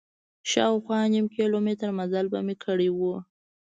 شاوخوا نیم کیلومتر مزل به مې کړی و.